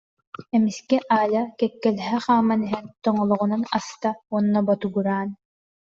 Эмискэ Аля кэккэлэһэ хааман иһэн, тоҥолоҕунан аста уонна ботугураан: